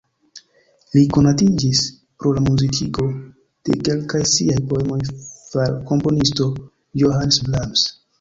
Li konatiĝis pro la muzikigo de kelkaj siaj poemoj far komponisto Johannes Brahms.